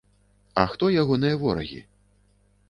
А хто ягоныя ворагі?